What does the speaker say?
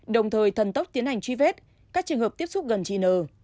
đồng thời thần tốc tiến hành truy vết các trường hợp tiếp xúc gần chị nờ